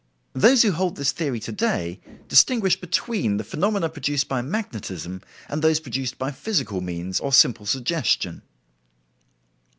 Those who hold this theory today distinguish between the phenomena produced by magnetism and those produced by physical means or simple suggestion.